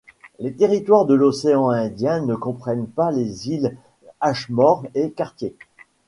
Les Territoires de l'océan Indien ne comprennent pas les îles Ashmore-et-Cartier.